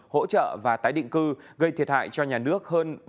hỗ trợ và tái định cư gây thiệt hại cho nhà nước hơn